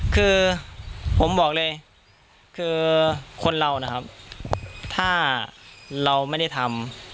คือผมบอกเลยคือคนเรานะครับถ้าเราไม่ได้ทำ